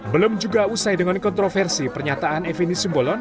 belum juga usai dengan kontroversi pernyataan efeni simolon